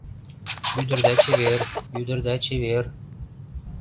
Ӱдырда чевер, ӱдырда чевер